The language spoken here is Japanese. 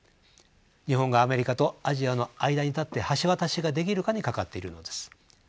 日本がアメリカとアジアの間に立って橋渡しができるかにかかっているのです。